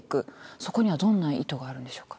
そこにはどんな意図があるんでしょうか？